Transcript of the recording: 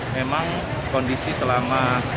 memang kondisi selama